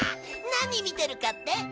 何見てるかって？